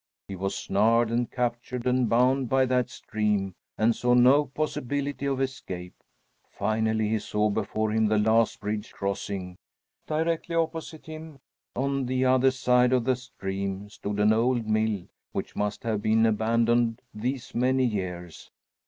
He was snared and captured and bound by that stream, and saw no possibility of escape. Finally he saw before him the last bridge crossing. Directly opposite him, on the other side of the stream, stood an old mill, which must have been abandoned these many years.